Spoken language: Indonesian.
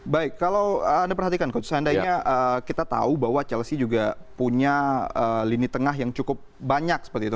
baik kalau anda perhatikan coach seandainya kita tahu bahwa chelsea juga punya lini tengah yang cukup banyak seperti itu